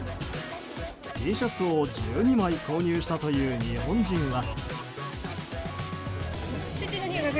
Ｔシャツを１２枚購入したという日本人は。